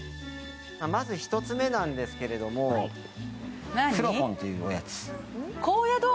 まず１つ目なんですけど、フロコンというおやつ。